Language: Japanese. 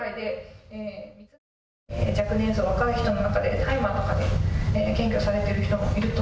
若年層、若い人の中で大麻とかで検挙されている人もいると。